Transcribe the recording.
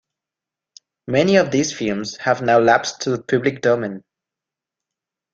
Many of these films have now lapsed to the public domain.